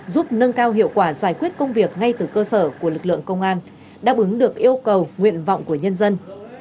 giúp nâng cao hiệu quả giải quyết công việc ngay từ cơ sở của lực lượng công an đáp ứng được yêu cầu nguyện vọng của nhân dân